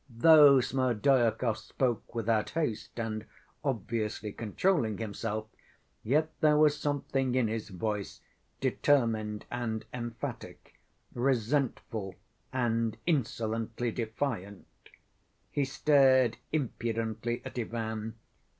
Though Smerdyakov spoke without haste and obviously controlling himself, yet there was something in his voice, determined and emphatic, resentful and insolently defiant. He stared impudently at Ivan.